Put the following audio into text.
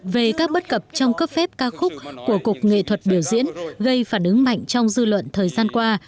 về các bất cập trong cấp phép ca khúc của cục nghệ thuật biểu diễn gây phản ứng mạnh trong dư luận thời gian qua